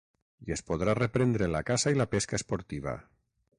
I es podrà reprendre la caça i la pesca esportiva.